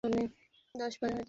সুড়ঙ্গ ছিল সংকীর্ণ।